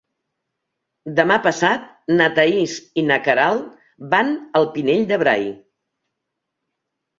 Demà passat na Thaís i na Queralt van al Pinell de Brai.